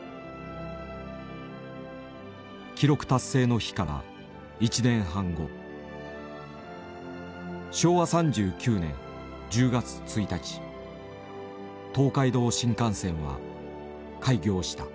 記録達成の日から１年半後昭和３９年１０月１日東海道新幹線は開業した。